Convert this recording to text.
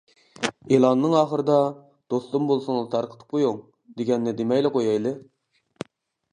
ئېلاننىڭ ئاخىرىدا: «دوستۇم بولسىڭىز تارقىتىپ قويۇڭ» دېگەننى دېمەيلا قويايلى.